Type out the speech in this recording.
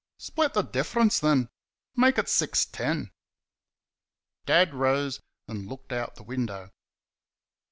"Split the difference, then make it six ten?" Dad rose and looked out the window.